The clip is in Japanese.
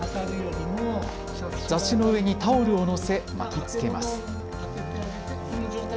雑誌の上にタオルをのせ巻きつけます。